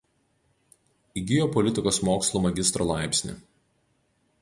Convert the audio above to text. Įgijo politikos mokslų magistro laipsnį.